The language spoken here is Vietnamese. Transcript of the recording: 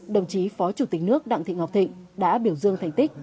đồng chí phó chủ tịch nước đặng thị ngọc thịnh đã biểu dương thành tích